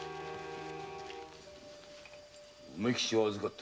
「梅吉を預かった。